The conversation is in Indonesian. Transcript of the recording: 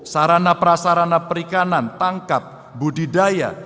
sarana prasarana perikanan tangkap budidaya